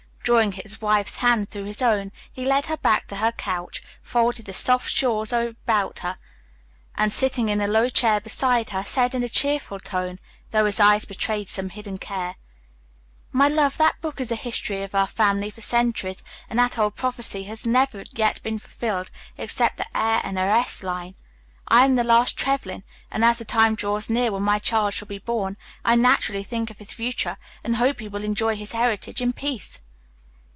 Drawing his wife's hand through his own, he led her back to her couch, folded the soft shawls about her, and, sitting in a low chair beside her, said in a cheerful tone, though his eyes betrayed some hidden care, "My love, that book is a history of our family for centuries, and that old prophecy has never yet been fulfilled, except the 'heir and heiress' line. I am the last Trevlyn, and as the time draws near when my child shall be born, I naturally think of his future, and hope he will enjoy his heritage in peace."